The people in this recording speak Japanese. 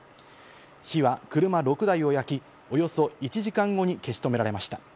火は車６台を焼き、およそ１時間後に消し止められました。